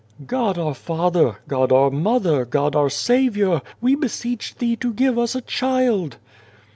4 'God our Father, God our Mother, God our Saviour, we beseech Thee to give us a child."